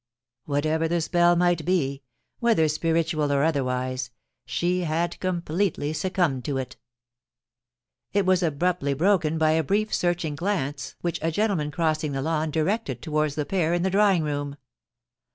\Miatever the spell might be, whether spiritual or otherwise, she had completely succumbed to it It was abruptly broken by a brief searching glance which a gentleman crossing the lawn directed towards the pair in the drawing room.